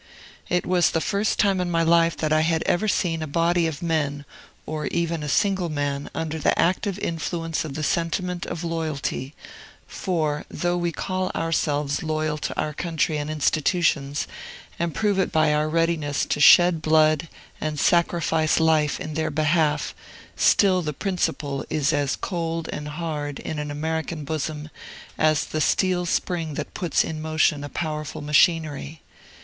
It was the first time in my life that I had ever seen a body of men, or even a single man, under the active influence of the sentiment of Loyalty; for, though we call ourselves loyal to our country and institutions, and prove it by our readiness to shed blood and sacrifice life in their behalf, still the principle is as cold and hard, in an American bosom, as the steel spring that puts in motion a powerful machinery.